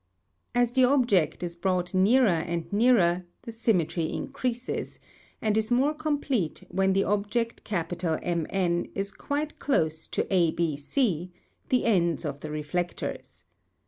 As the object is brought nearer and nearer, the symmetry increases, and is more complete when the ohject M N is quite close to A B C, the ends of the reflectors.